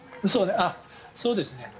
そうですね。